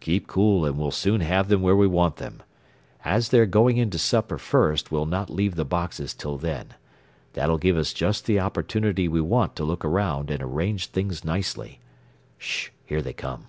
"Keep cool and we'll soon have them where we want them. As they are going in to supper first we'll not leave the boxes till then. That'll give us just the opportunity we want to look around and arrange things nicely. "Sh! Here they come!"